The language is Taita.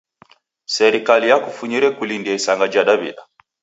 Serikali yakufunyire kulindia isanga ja Daw'ida.